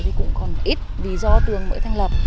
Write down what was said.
thì cũng còn ít vì do trường mới thành lập